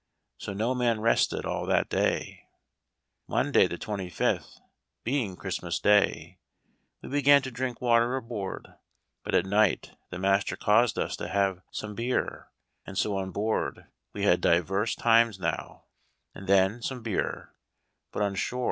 So no man rested all that day. Munday the 25th, being Christmas Day, we began to drink water aboard, but at night the Master caused us to have some Eeere, and so on board we had diverse times now and then some Beere, but on shore none at all.